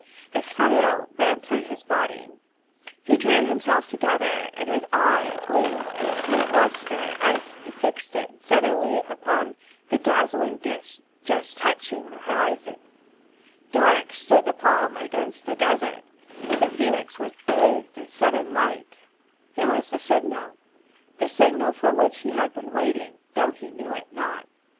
A thrill ran through his body. He drew himself together, and his eye gleamed with new lustre as he fixed it steadily upon the dazzling disk just touching the horizon. Dark stood the palm against the desert, but the Phoenix was bathed in sudden light. It was the signal, the signal for which he had been waiting, though he knew it not.